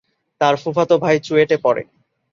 তার ফুফাতো ভাই চুয়েটে পড়ে।